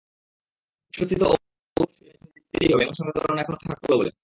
অস্বস্তি তো অবশ্যই বাকি তিন ম্যাচও জিততেই হবে—এমন সমীকরণ এখনো থাকল বলে।